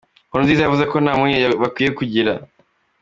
Nkurunziza yavuze ko nta mpungenge bakwiye kugira.